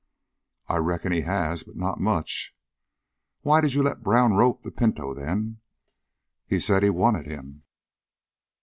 "I reckon he has, but not much." "Why did you let Brown rope the pinto, then?" "He said he wanted him."